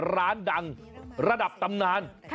ร้านดังระดับตำนาน